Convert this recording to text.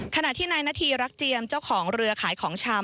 ขณะที่นายนาธีรักเจียมเจ้าของเรือขายของชำ